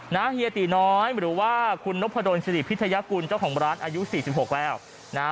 นะเฮียตีน้อยหรือว่าคุณนพโดนสิริพิธยกุลเจ้าของร้านอายุ๔๖แล้วนะฮะ